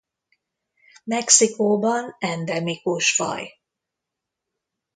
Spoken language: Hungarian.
Mexikóban endemikus faj.